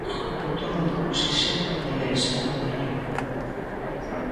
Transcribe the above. Grupo autor da proposición non de lei, señora Muíño.